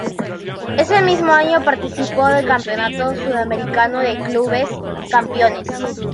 Ese mismo año participó del Campeonato Sudamericano de Clubes Campeones.